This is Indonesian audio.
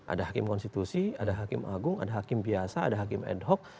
ada hakim konstitusi ada hakim agung ada hakim biasa ada hakim ad hoc